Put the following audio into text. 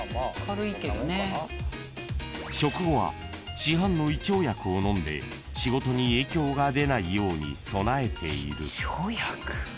［食後は市販の胃腸薬を飲んで仕事に影響が出ないように備えている］